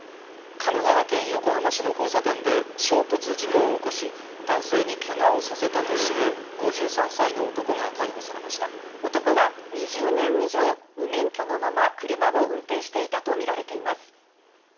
神奈川県横浜市の交差点で、衝突事故を起こし、男性にけがをさせたとして、男は２０年以上、無免許のまま車を運転していたと見られています。